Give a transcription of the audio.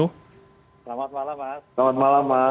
selamat malam mas